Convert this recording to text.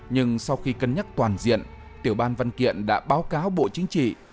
nhưng sau khi cân nhắc toàn diện tiểu ban văn kiện đã báo cáo bộ chính trị